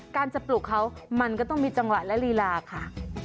การจะปลุกเขามันก็ต้องมีจังหวะและลีลาค่ะ